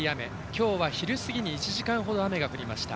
今日は昼過ぎに１時間ほど雨が降りました。